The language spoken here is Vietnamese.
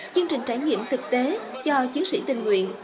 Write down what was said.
chương trình trải nghiệm thực tế cho chiến sĩ tình nguyện